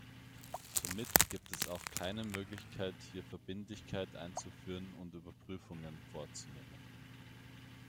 Somit gibt es auch keine Möglichkeit, hier Verbindlichkeit einzuführen und Überprüfungen vorzunehmen.